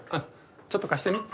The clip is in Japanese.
ちょっと貸してみぃ。